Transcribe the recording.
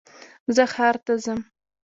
زه ښار ته ځم